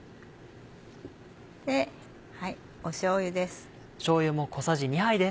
しょうゆです。